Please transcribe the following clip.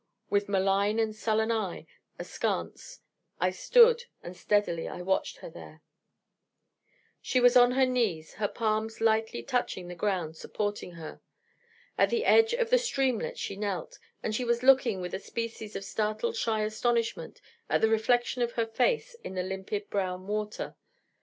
With malign and sullen eye askance I stood, and steadily I watched her there. She was on her knees, her palms lightly touching the ground, supporting her. At the edge of the streamlet she knelt, and she was looking with a species of startled shy astonishment at the reflexion of her face in the limpid brown water.